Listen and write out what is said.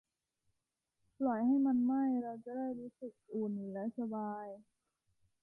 ปล่อยให้มันไหม้ เราจะได้รู้สึกอุ่นและสบาย